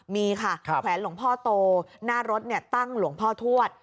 มีค่ะแขวนหลวงพ่อโตหน้ารถตั้งหลวงพ่อทวด